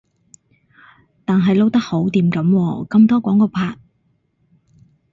但係撈得好掂噉喎，咁多廣告拍